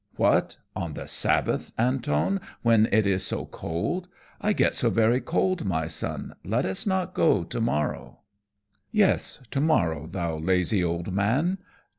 "What, on the Sabbath, Antone, when it is so cold? I get so very cold, my son, let us not go to morrow." "Yes, to morrow, thou lazy old man.